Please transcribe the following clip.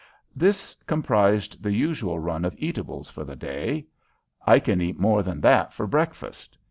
This comprised the usual run of eatables for the day I can eat more than that for breakfast!